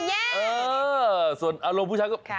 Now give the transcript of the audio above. เออส่วนอารมณ์ผู้ชายก็